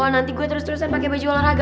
nanti gue terus terusan pakai baju olahraga